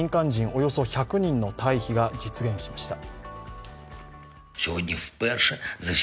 およそ１００人の退避が実現しました。